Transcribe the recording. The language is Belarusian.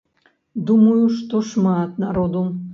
Думаю, што шмат народу.